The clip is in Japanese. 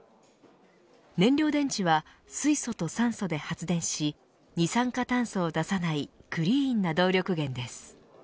燃料電池は水素と酸素で発電し二酸化炭素を出さないクリーンな動力源です。